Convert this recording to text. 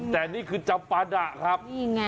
แต่นี่คือจับปลาด่ะครับ